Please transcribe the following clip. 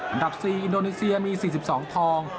อันดับ๔อินโดนีเซียมี๔๒ทอง